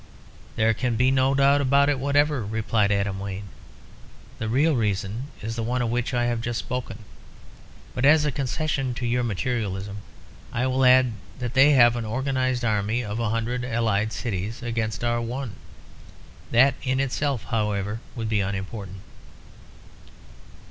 "There can be no doubt about it whatever," replied Adam Wayne; "the real reason is the one of which I have just spoken. But as a concession to your materialism, I will add that they have an organised army of a hundred allied cities against our one. That in itself, however, would be unimportant."